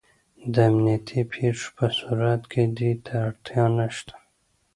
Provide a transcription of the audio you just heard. د امنیتي پېښو په صورت کې دې ته اړتیا نشته.